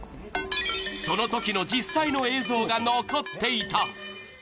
そのときの実際の映像が残っていた。